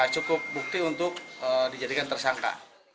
cukup bukti untuk dijadikan tersangka